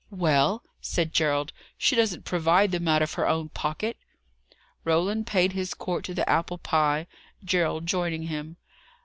"Well?" said Gerald. "She doesn't provide them out of her own pocket." Roland paid his court to the apple pie, Gerald joining him.